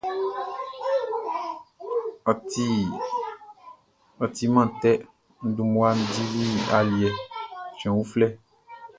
Ɔ timan tɛ, n dun mmua dili aliɛ cɛn uflɛ.